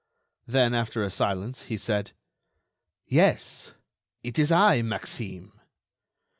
Then, after a silence, he said: "Yes, it is I, Maxime."